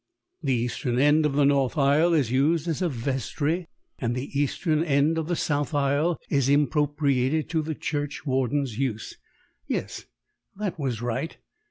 "The eastern end of the north aisle is used as a vestry, and the eastern end of the south aisle is impropriated to the church warden's use." Yes, that was right.